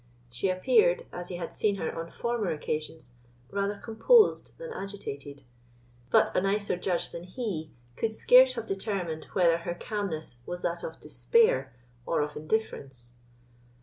She appeared, as he had seen her on former occasions, rather composed than agitated; but a nicer judge than he could scarce have determined whether her calmness was that of despair or of indifference.